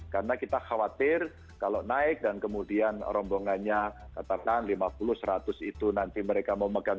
karena kita khawatir kalau naik dan kemudian rombongannya katakan lima puluh seratus itu nanti mereka mau mengganti